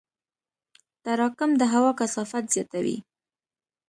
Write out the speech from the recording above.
تراکم د هوا کثافت زیاتوي.